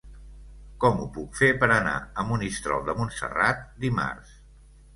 Com ho puc fer per anar a Monistrol de Montserrat dimarts?